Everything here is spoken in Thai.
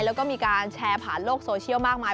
แล้วก็มีการแชร์ผ่านโลกโซเชียลมากมาย